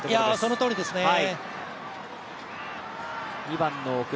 そのとおりですね。